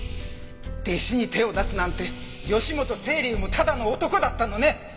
弟子に手を出すなんて義本青流もただの男だったのね！